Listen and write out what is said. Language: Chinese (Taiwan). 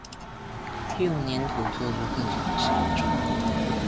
用黏土做出各種形狀